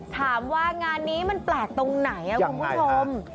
ถามว่างานนี้มันแปลกตรงไหนคุณผู้ชม